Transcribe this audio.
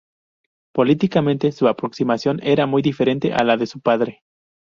Políticamente, su aproximación era muy diferente a la de su padre.